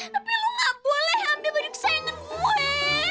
tapi lo gak boleh ambil baju kesayangan gue